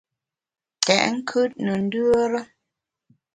Tèt nkùt ne ndùere.